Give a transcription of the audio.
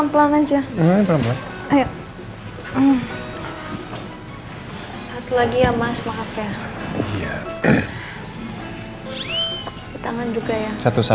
makanan saya kan lebih banyak nasi daripada kamu